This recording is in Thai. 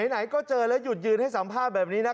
ไหนก็เจอแล้วหยุดยืนให้สัมภาษณ์แบบนี้นะ